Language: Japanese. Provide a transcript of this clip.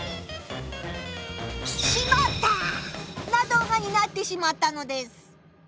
「しまった！」な動画になってしまったのです。